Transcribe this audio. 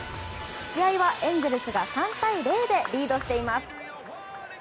試合はエンゼルスが３対０でリードしています。